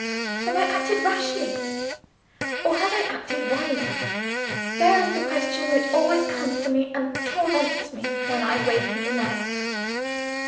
Have I acted rashly? or have I acted wisely? There is the question which always comes to me and torments me, when I wake in the night.